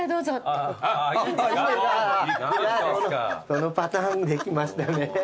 そのパターンできましたね。